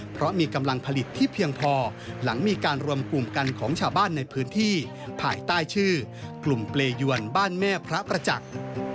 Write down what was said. ภายใต้ชื่อกลุ่มเปรยวรบ้านแม่พระประจักร